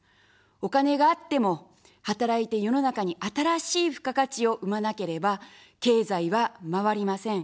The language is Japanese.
お金があっても、働いて世の中に新しい付加価値を生まなければ、経済は回りません。